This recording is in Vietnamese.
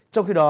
trong khi đó